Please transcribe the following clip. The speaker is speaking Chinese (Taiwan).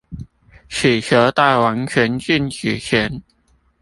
此球到完全靜止前